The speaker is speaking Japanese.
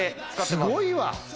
すごいわ！